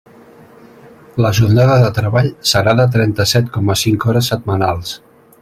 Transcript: La jornada de treball serà de trenta-set coma cinc hores setmanals.